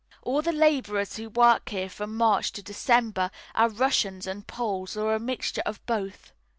All the labourers who work here from March to December are Russians and Poles, or a mixture of both.